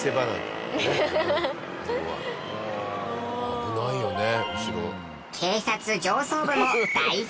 危ないよね。